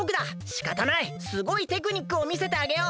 しかたないすごいテクニックをみせてあげよう。